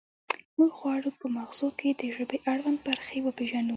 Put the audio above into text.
موږ غواړو په مغزو کې د ژبې اړوند برخې وپیژنو